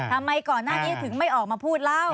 ทำไมก่อนหน้านี้ถึงไม่ออกมาพูดเล่า